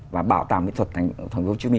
và bảo tàu mỹ thuật tp hcm